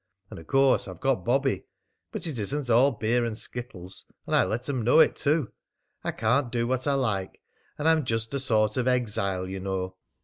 And of course I've got Bobby! But it isn't all beer and skittles, and I let 'em know it, too. I can't do what I like. And I'm just a sort of exile, you know.